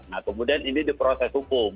nah kemudian ini diproses hukum